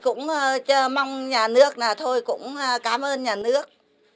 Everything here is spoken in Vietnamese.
chúng tôi cũng chờ mong nhà nước thôi cũng cảm ơn nhà nước